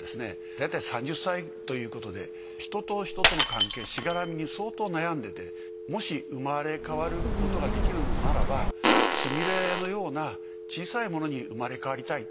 だいたい３０歳ということで人と人との関係しがらみに相当悩んでてもし生まれ変わることができるのならば菫の様な小さいものに生まれ変わりたい。